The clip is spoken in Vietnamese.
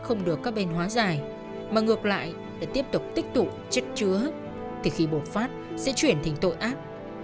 không được các bên hóa dài mà ngược lại lại tiếp tục tích tụ chất chứa thì khi bột phát sẽ chuyển thành tội ác